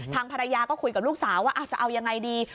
ทางภรรยาก็คุยกับลูกสาวว่าจะเอายังไงดี